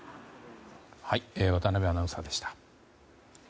渡辺アナウンサーでした。